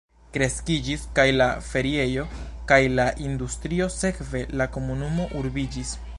Kreskiĝis kaj la feriejo, kaj la industrio, sekve la komunumo urbiĝis.